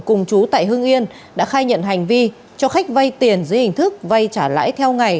cùng chú tại hưng yên đã khai nhận hành vi cho khách vay tiền dưới hình thức vay trả lãi theo ngày